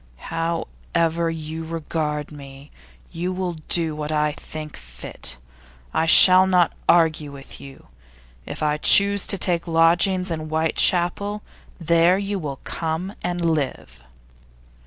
'However you regard me, you will do what I think fit. I shall not argue with you. If I choose to take lodgings in Whitechapel, there you will come and live.